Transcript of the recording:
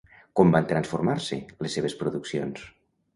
Com van transformar-se les seves produccions?